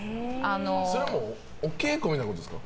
それはもうお稽古みたいなことですか？